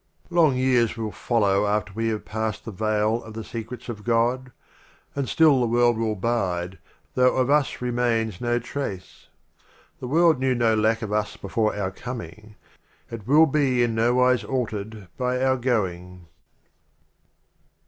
XLVII Long Years will follow after we have passed the Veil of the Secrets of God, And still the World will bide, though of us remains no Trace. The World knew no lack of us before our Coming, It will be in no wise altered by our Going.